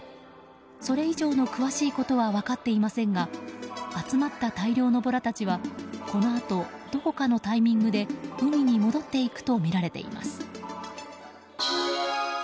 それ以上の詳しいことは分かっていませんが集まった大量のボラたちはこのあとどこかのタイミングで海に戻っていくとみられています。